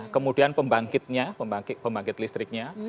kemudian pembangkitnya pembangkit listriknya